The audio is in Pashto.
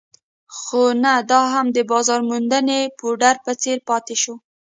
خو نه دا هم د بازار موندنې بورډ په څېر پاتې شو.